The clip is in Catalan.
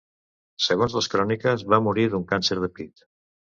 Segons les cròniques, va morir d'un càncer de pit.